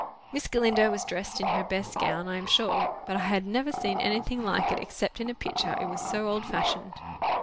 Miss Galindo was dressed in her best gown, I am sure, but I had never seen anything like it except in a picture, it was so old fashioned.